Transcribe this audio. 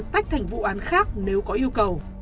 tách thành vụ án khác nếu có yêu cầu